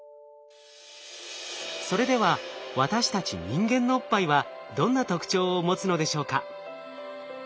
それでは私たち人間のおっぱいはどんな特徴を持つのでしょうか？